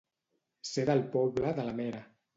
Ser del poble de la mera.